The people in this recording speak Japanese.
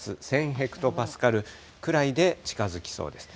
ヘクトパスカルくらいで近づきそうです。